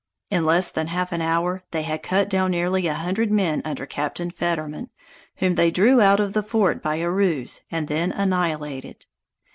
In less than half an hour, they had cut down nearly a hundred men under Captain Fetterman, whom they drew out of the fort by a ruse and then annihilated.